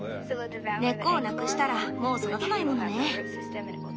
根っこをなくしたらもう育たないものね。